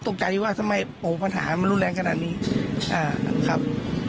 ตกใจอยู่ว่าทำไมโปรปัญหามันรุนแรงขนาดนี้ครับ